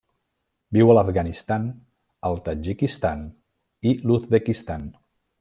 Viu a l'Afganistan, el Tadjikistan i l'Uzbekistan.